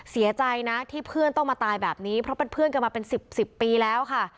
เสียใจนะที่เพื่อนต้องมาตายแบบนี้เพราะเป็นเพื่อนกันมาเป็นสิบสิบปีแล้วค่ะ